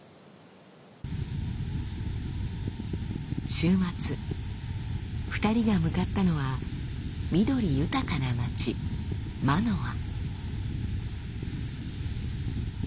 週末２人が向かったのは緑豊かな街マノア。